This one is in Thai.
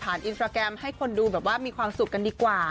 อินสตราแกรมให้คนดูแบบว่ามีความสุขกันดีกว่า